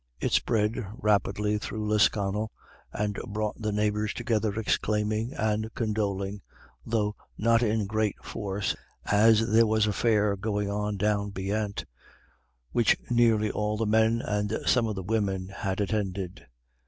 It spread rapidly through Lisconnel, and brought the neighbors together exclaiming and condoling, though not in great force, as there was a fair going on down beyant, which nearly all the men and some of the women had attended.